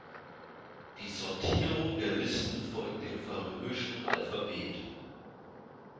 Die Sortierung der Listen folgt dem färöischen Alphabet.